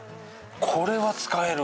これは使える！